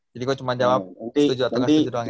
jadi gue cuma jawab setuju atau gak setuju doang ya